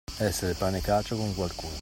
Essere pane e cacio con qualcuno.